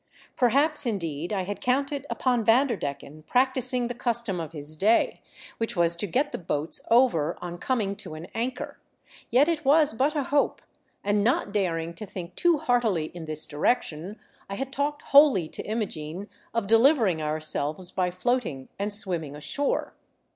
Perhaps, indeed, I had counted upon Vanderdecken practising the custom of his day, which was to get the boats over on coming to an anchor ; yet it was but a hoj^e, and not daring to think too heartily in this direction I had talked wholly to Imogene of delivering ourselves by floating and swimming ashore.